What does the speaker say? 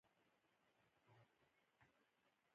• د خپل زړه د آرام لپاره کښېنه.